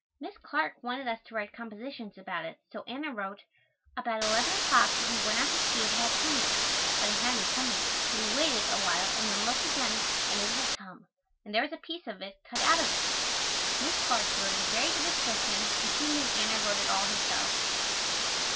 Miss Clark wanted us to write compositions about it so Anna wrote, "About eleven o'clock we went out to see if it had come yet, but it hadn't come yet, so we waited awhile and then looked again and it had come, and there was a piece of it cut out of it." Miss Clark said it was a very good description and she knew Anna wrote it all herself.